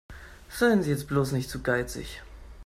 Seien Sie jetzt bloß nicht zu geizig.